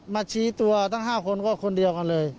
ชี้ตัวตั้ง๕คนก็คนเดียวกันเลย